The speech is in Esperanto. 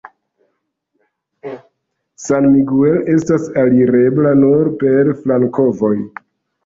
San Miguel estas alirebla nur per flankovoj.